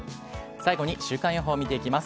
最後に週間予報を見ていきます。